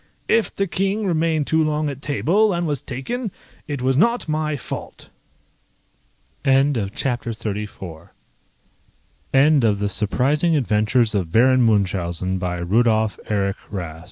If the King remained too long at table, and was taken, it was not my fault. End of the Project Gutenberg EBook of The Surprising Adventures of Baron Munchausen, by Rudolph Erich